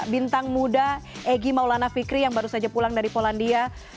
bintang muda egy maulana fikri yang baru saja pulang dari polandia